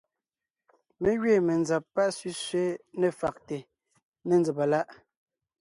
Mé gẅiin menzab pá sẅísẅé ne fàgte ne nzàba láʼ.